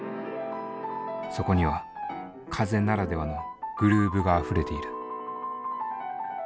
そこには風ならではのグルーヴがあふれている。